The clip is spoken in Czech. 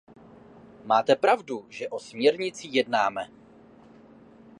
Máte pravdu, že o směrnici jednáme.